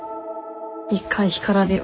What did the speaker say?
一回干からびろ。